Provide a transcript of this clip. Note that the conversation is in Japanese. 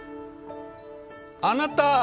あなた！？